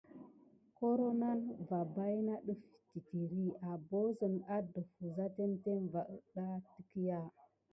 Koro nane va baïna ɗəf titiri, ambassəne adəf wəza témtém va ədda təkya.